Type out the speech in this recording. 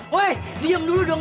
woy diam dulu dong